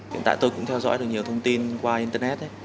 hiện tại tôi cũng theo dõi được nhiều thông tin qua internet